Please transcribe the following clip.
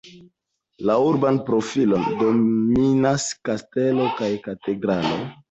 La urban profilon dominas kastelo kaj katedralo.